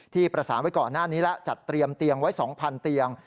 ที่ประสานไว้ก่อนหน้านี้แล้วจัดเตรียมเตียงไว้๒๐๐เตียง